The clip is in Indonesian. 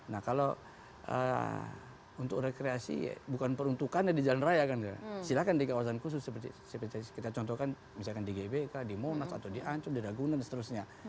nah kalau untuk rekreasi bukan peruntukannya di jalan raya silakan di kawasan khusus seperti kita contohkan misalkan di gbk di monas atau di ancol di ragunan dan seterusnya